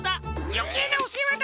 よけいなおせわだ！